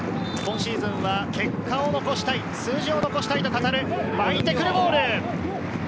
今シーズンは結果を残したい、数字を残したいと語る、まいてくるボール。